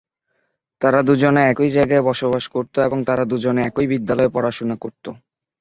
তারা দুজনে একই জায়গায় বসবাস করত এবং তারা দুজনে একই বিদ্যালয়ে পড়াশুনা করত।